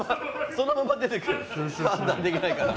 そのまま出てくる？判断できないから。